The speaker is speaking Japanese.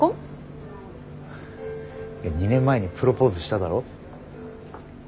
２年前にプロポーズしただろ？